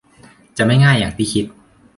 จะไม่ง่ายอย่างที่คิด